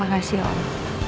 terima kasih om